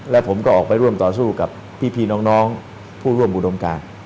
และผมก็ออกไปร่วมต่อสู้กับพี่น้องผู้ร่วมอุดมการ